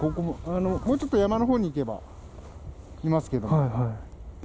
もうちょっと山のほうに行けばいますけど。